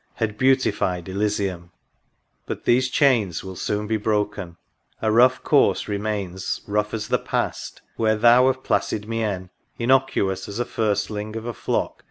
Had beautified Elysium ! But these chains Will soon be broken ;— a rough course remains, Rough as the past ; where Thou, of placid mien, Innocuous as a firstling of a flock.